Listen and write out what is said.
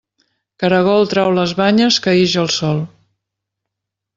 Caragol trau les banyes que ix el sol.